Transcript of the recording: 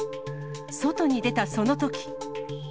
外に出たそのとき。